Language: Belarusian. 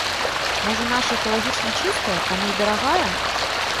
Можа наша экалагічна чыстая, таму і дарагая?